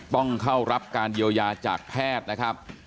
ต้องเข้ารับการเยียวยาจากแพทย์นะครับ